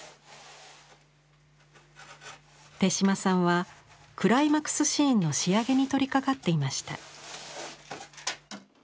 手島さんはクライマクスシーンの仕上げに取りかかっていました。